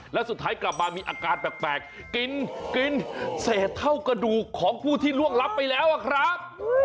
แล้วสุดท้ายกลับมามีอาการแปลกกินเศษเท่ากระดูกของผู้ที่ล่วงรับไปแล้วอะครับ